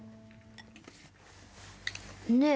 ねえ？